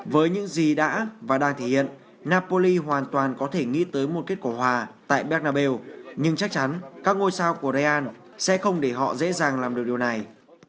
với những gì đã và đang thể hiện napoli hoàn toàn có thể nghĩ tới một kết quả hòa tại bernabe nhưng chắc chắn các ngôi sao của rayan sẽ không để họ dễ dàng làm được điều này